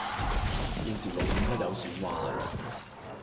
現時路面一有損壞